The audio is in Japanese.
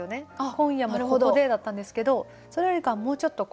「今夜もここで」だったんですけどそれよりかはもうちょっと。